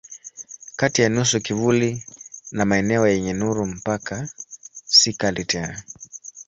Kati ya nusu kivuli na maeneo yenye nuru mpaka si kali tena.